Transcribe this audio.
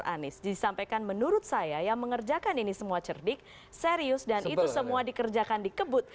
anies disampaikan menurut saya yang mengerjakan ini semua cerdik serius dan itu semua dikerjakan dikebut